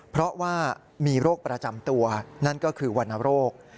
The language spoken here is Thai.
เพราะว่ามีโรคประจำตัวนั่นก็คือวรรณโรค